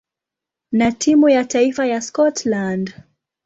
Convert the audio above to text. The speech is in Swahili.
na timu ya taifa ya Scotland.